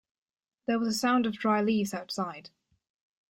There was a sound of dry leaves outside.